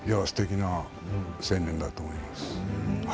すてきな青年だと思います。